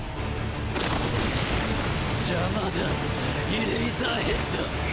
邪魔だイレイザーヘッド！